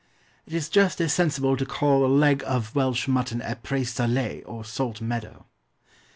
It is just as sensible to call a leg of Welsh mutton a pré salé, or salt meadow.